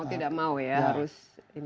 mau tidak mau ya harus